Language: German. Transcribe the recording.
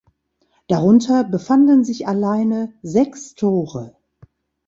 Darunter befanden sich alleine sechs Tore.